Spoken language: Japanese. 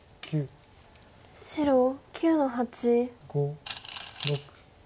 白９の八。